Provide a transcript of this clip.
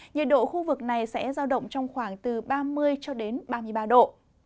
nhiệt độ khu vực này sẽ giao động trong khoảng từ ba mươi cho đến ba mươi ba độ